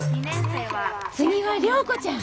次は良子ちゃん。